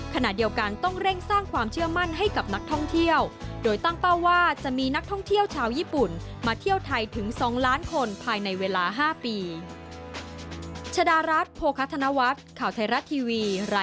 ขณะเดียวกันต้องเร่งสร้างความเชื่อมั่นให้กับนักท่องเที่ยวโดยตั้งเป้าว่าจะมีนักท่องเที่ยวชาวญี่ปุ่นมาเที่ยวไทยถึง๒ล้านคนภายในเวลา๕ปี